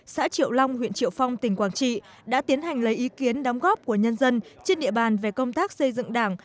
xã triệu long huyện triệu phong tỉnh quảng trị đã tiến hành lấy ý kiến đóng góp của nhân dân trên địa bàn về công tác xây dựng đảng